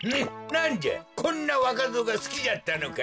なんじゃこんなわかぞうがすきじゃったのか！